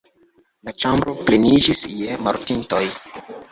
La ĉambro pleniĝis je mortintoj.